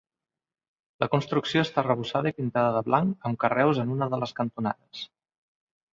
La construcció està arrebossada i pintada de blanc, amb carreus en una de les cantonades.